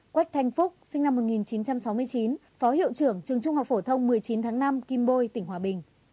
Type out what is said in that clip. quách thanh phúc sinh năm một nghìn chín trăm sáu mươi chín phó hiệu trưởng trường trung học phổ thông một mươi chín tháng năm kim bôi tỉnh hòa bình